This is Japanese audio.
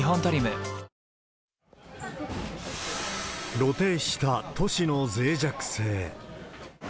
露呈した都市のぜい弱性。